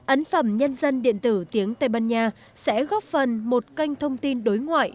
ấn phẩm nhân dân điện tử tiếng tây ban nha sẽ góp phần một kênh thông tin đối ngoại